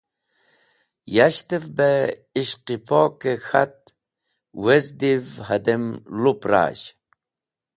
Yashtev beh ishq-e pok-e k̃hat wezdi’v hadem lup razh.